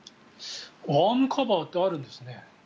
アームカバーってあるんですね。